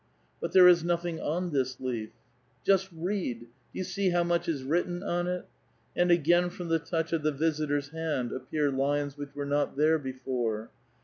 " But there is nothing on this leaf !" "Just read! Do you see how much is written on it?" And again from the touch of the visitor's hand appear lines which were not there before.